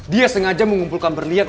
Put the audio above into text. dia sengaja mengumpulkan berlihat